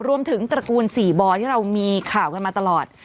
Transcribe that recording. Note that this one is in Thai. รวมถึงตระกูลสี่บอที่เรามีข่าวกันมาตลอด